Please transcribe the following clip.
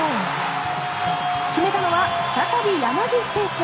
決めたのは再び山岸選手。